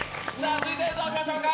続いて、どうしましょうか？